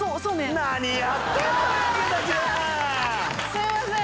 すいません。